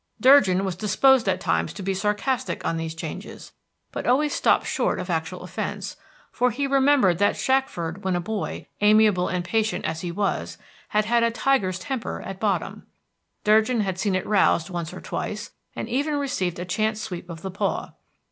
Durgin was disposed at times to be sarcastic on these changes, but always stopped short of actual offense; for he remembered that Shackford when a boy, amiable and patient as he was, had had a tiger's temper at bottom. Durgin had seen it roused once or twice, and even received a chance sweep of the paw.